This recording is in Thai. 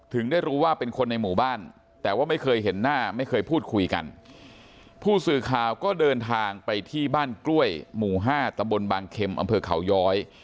ได้รู้ว่าเป็นคนในหมู่บ้านแต่ว่าไม่เคยเห็นหน้าไม่เคยพูดคุยกันผู้สื่อข่าวก็เดินทางไปที่บ้านกล้วยหมู่ห้าตำบลบางเข็มอำเภอเขาย้อย